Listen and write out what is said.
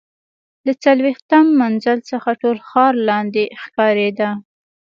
له څلوېښتم منزل څخه ټول ښار لاندې ښکارېده.